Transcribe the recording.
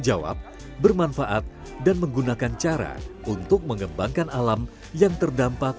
proses reklamasi di area pengendapan tiling dan tambang terbuka grass bird merupakan kegiatan tambang yang bertanggung